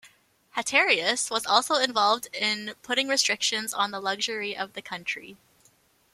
Haterius was also involved in putting restrictions on the luxury of the country.